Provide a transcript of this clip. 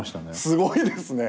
すごいですね。